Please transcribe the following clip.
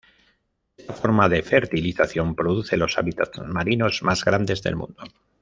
Esta forma de fertilización produce los hábitats marinos más grande del mundo.